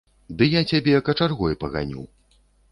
Ды я цябе качаргой паганю.